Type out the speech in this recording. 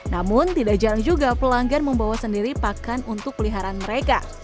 namun tidak jarang juga pelanggan membawa sendiri pakan untuk peliharaan mereka